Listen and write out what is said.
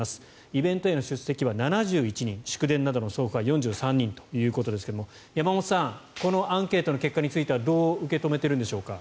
イベントへの出席は７１人祝電などの送付は４３人ということですが山本さん、このアンケートの結果についてはどう受け止めているんでしょうか？